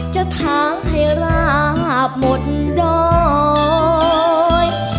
ทางให้ราบหมดดอย